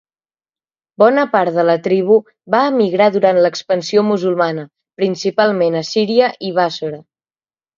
Bona part de la tribu va emigrar durant l'expansió musulmana principalment a Síria i Bàssora.